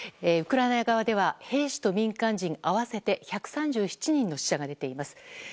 ウクライナ側では、兵士と民間人合わせて１３７人の死者が出ています。